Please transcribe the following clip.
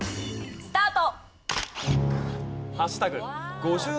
スタート！